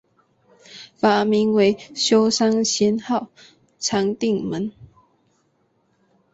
法名为休山贤好禅定门。